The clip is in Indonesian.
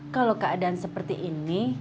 kalau keadaan seperti ini